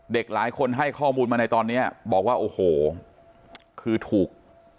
หลายคนให้ข้อมูลมาในตอนนี้บอกว่าโอ้โหคือถูก